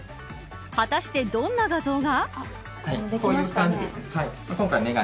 果たして、どんな画像が。